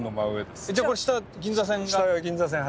じゃこれ下銀座線が。